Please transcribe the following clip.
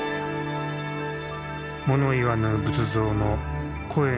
もの言わぬ仏像の声